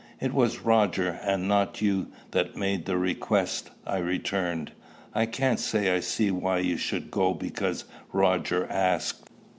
"It was Roger, and not you, that made the request," I returned. "I can't say I see why you should go because Roger asked.